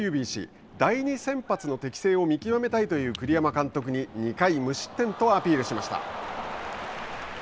第２先発の適性を見極めたいという栗山監督に２回無失点とアピールしました。